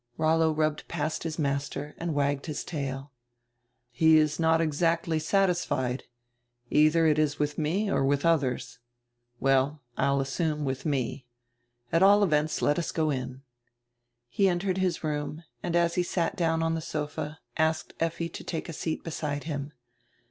Rollo rubbed past his master and wagged his tail. "He is not exacdy satisfied; eidier it is widi me or widi odiers. Well, I'll assume, widi me. At all events let us go in." He entered his room and as he sat down on the sofa asked Effi to take a seat beside him.